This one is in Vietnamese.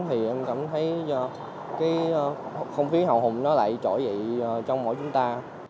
thì em cảm thấy không phí hào hùng nó lại trỗi dậy trong mỗi chúng ta